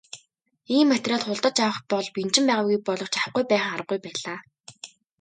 Ийм материал худалдаж авах бэл бэнчин байгаагүй боловч авахгүй байхын аргагүй байлаа.